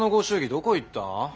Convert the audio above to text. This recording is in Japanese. どこいった？